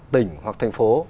tỉnh hoặc thành phố